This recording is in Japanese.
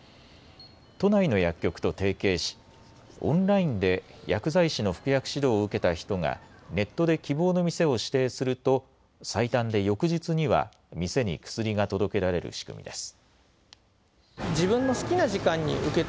都内の薬局と提携しオンラインで薬剤師の服薬指導を受けた人がネットで希望の店を指定すると最短で翌日には店に薬が届けられる仕組みです。